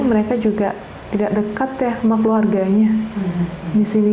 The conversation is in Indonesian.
mereka juga tidak dekat ya sama keluarganya disini